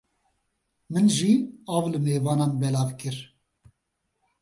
Min jî av li mêvanan belav kir.